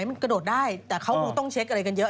มันกระโดดได้แต่เขาคงต้องเช็คอะไรกันเยอะ